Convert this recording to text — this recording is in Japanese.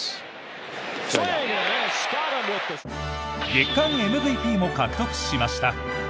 月間ＭＶＰも獲得しました。